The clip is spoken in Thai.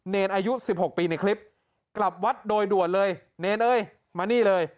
เนรอายุ๑๖ปีในคลิปกลับวัดโดยด่วนเลยเนรเอ้ยมานี่เลย